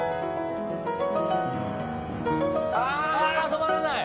あ止まらない！